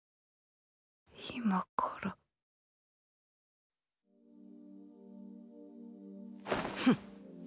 今からフッ。